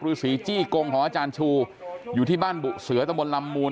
ฤษีจี้กงของอาจารย์ชูอยู่ที่บ้านบุเสือตะบนลำมูล